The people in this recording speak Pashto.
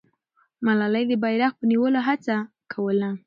ملالۍ د بیرغ په نیولو هڅه کوله.